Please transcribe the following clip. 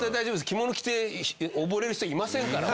着物着て溺れる人いませんから。